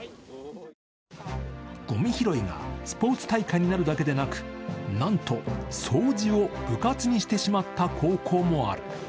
ごみ拾いがスポーツ大会になるだけでなく、なんと掃除を部活にしてしまった高校もある。